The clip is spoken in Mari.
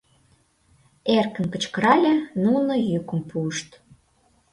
Эркын кычкырале Нуно йӱкым пуышт.